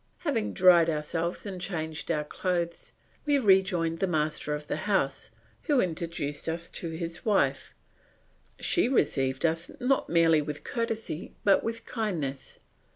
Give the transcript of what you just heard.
Having dried ourselves and changed our clothes, we rejoined the master of the house, who introduced us to his wife; she received us not merely with courtesy but with kindness.